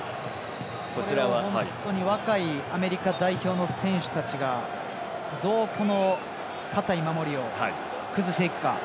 若いアメリカ代表の選手たちが、どう堅い守りを崩していくか。